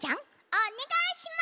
おねがいします。